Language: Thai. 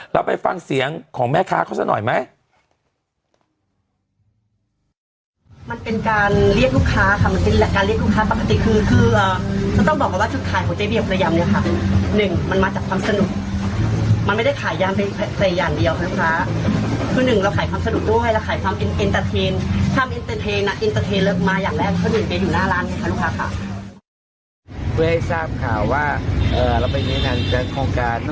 เราไปฟังเสียงของแม่ค้าเขาซะหน่อยไหม